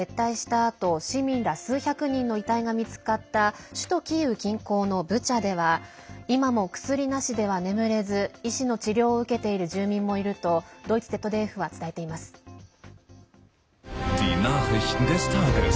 あと市民ら数百人の遺体が見つかった首都キーウ近郊のブチャでは今も、薬なしでは眠れず医師の治療を受けている住民もいるとドイツＺＤＦは伝えています。